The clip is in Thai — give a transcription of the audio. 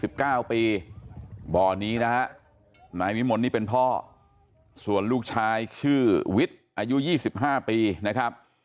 เบาะนี้นะครับนายวิมลนี่เป็นพ่อส่วนลูกชายชื่อวิทย์อายุ๒๕ปีนะครับ